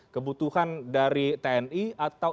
kebutuhan dari tni atau